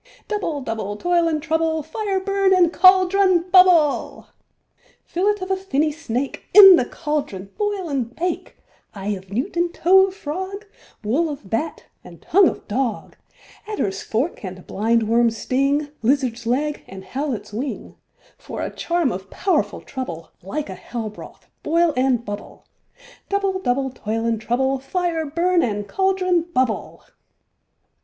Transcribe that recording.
ALL. Double, double, toil and trouble; Fire, burn; and cauldron, bubble. SECOND WITCH. Fillet of a fenny snake, In the cauldron boil and bake; Eye of newt, and toe of frog, Wool of bat, and tongue of dog, Adder's fork, and blind worm's sting, Lizard's leg, and howlet's wing, For a charm of powerful trouble, Like a hell broth boil and bubble. ALL. Double, double, toil and trouble; Fire, burn; and cauldron, bubble.